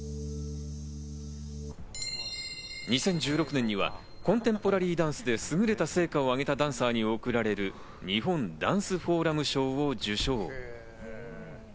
２０１６年にはコンテンポラリーダンスで優れた成果をあげたダンサーに贈られる日本ダンスフォーラム賞を受賞。